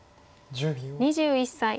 ２１歳。